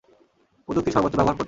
প্রযুক্তির সর্বোচ্চ ব্যবহার করছেন।